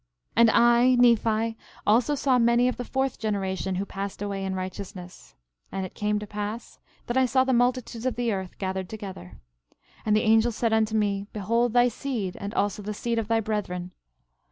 12:12 And I, Nephi, also saw many of the fourth generation who passed away in righteousness. 12:13 And it came to pass that I saw the multitudes of the earth gathered together. 12:14 And the angel said unto me: Behold thy seed, and also the seed of thy brethren.